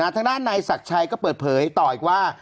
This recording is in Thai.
ทางด้านนายศักดิ์ชัยก็เปิดเผยต่ออีกว่า